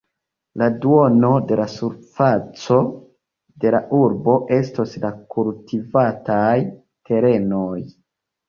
La duono de la surfaco de la urbo estos la kultivataj terenoj.